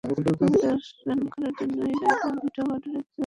তবে তার রানখরার জন্যই রায়না মিডল অর্ডারে কিছু রান করতে পারছে।